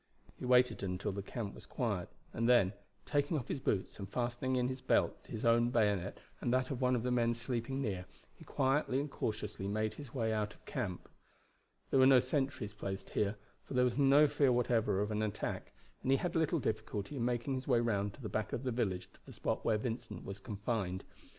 He waited until the camp was quiet, and then, taking off his boots and fastening in his belt his own bayonet and that of one of the men sleeping near, he quietly and cautiously made his way out of camp. There were no sentries placed here, for there was no fear whatever of an attack, and he had little difficulty in making his way round to the back of the village to the spot where Vincent was confined.